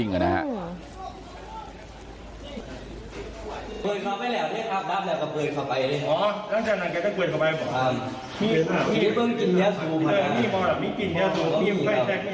หลังจากนั้นถ้าเป็นใส่สวัสดิ์มันก็จะเยี่ยมมากเลย